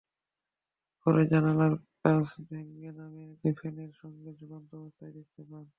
পরে জানালার কাচ ভেঙে লামিয়াকে ফ্যানের সঙ্গে ঝুলন্ত অবস্থায় দেখতে পান।